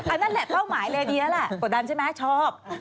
นั่นแหละเป้าหมายเลยดีแล้วแหละกดดันใช่ไหมชอบ